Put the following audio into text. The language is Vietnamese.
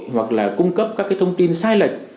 hoặc là cung cấp các cái thông tin sai lệch